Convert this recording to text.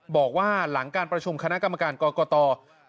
บอกว่าหลังการประชุมคณะกรรมการกรกต